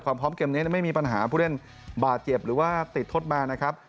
พร้อมเกมนี้ไม่มีปัญหาผู้เล่นบาดเจ็บหรือว่าติดทดมานะครับ